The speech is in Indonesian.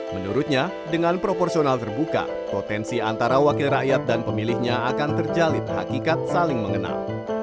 menurutnya dengan proporsional terbuka potensi antara wakil rakyat dan pemilihnya akan terjalin hakikat saling mengenal